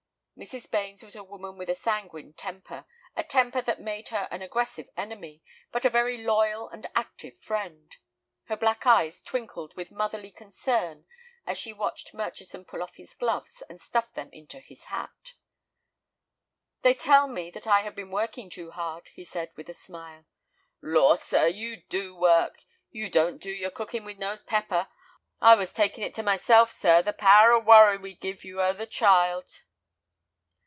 Mrs. Bains was a woman with a sanguine temper, a temper that made her an aggressive enemy, but a very loyal and active friend. Her black eyes twinkled with motherly concern as she watched Murchison pull off his gloves and stuff them into his hat. "They tell me that I have been working too hard," he said, with a smile. "Lor', sir, you do work; you don't do your cooking with no pepper. I was taking it to myself, sir, the power of worry we've give you over the child."